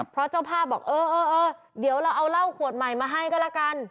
เพราะเจ้าภาพบอกเออเออเดี๋ยวเราเอาเหล้าขวดใหม่มาให้ก็ละกัน